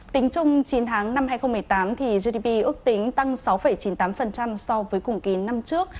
tính chung chín tháng năm hai nghìn một mươi tám gdp ước tính tăng sáu chín mươi tám so với cùng kỳ năm trước